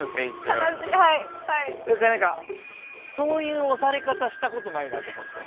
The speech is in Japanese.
だから、そういう押され方見たことないなと思って。